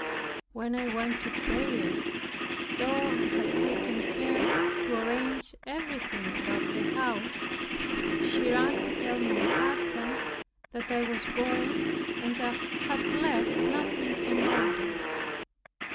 When I went to prayers, (though I had taken care to arrange everything about the house) she ran to tell my husband that I was going and had left nothing in order.